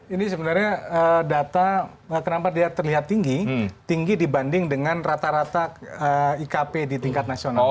ini sebenarnya data kenapa dia terlihat tinggi tinggi dibanding dengan rata rata ikp di tingkat nasional